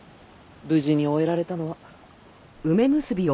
無事に終えられたのは。